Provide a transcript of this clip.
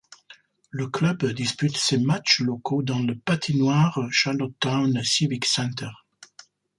Le club dispute ses matchs locaux dans la patinoire Charlottetown Civic Centre.